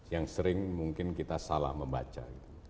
yang sering mungkin kita salah membaca